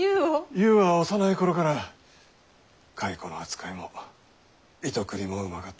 ゆうは幼い頃から蚕の扱いも糸繰りもうまかった。